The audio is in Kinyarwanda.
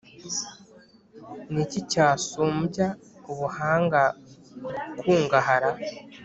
ni iki cyasumbya Ubuhanga gukungahara,